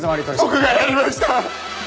僕がやりました！